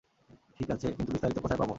ঠিক আছে, কিন্তু বিস্তারিত কোথায় পাবো?